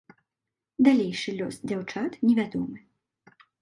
Далейшы лёс дзяўчат невядомы.